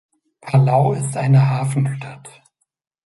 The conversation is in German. Palau ist eine Hafenstadt.